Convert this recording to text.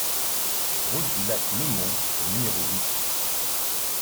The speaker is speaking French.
Route du Lac Le Mont au numéro huit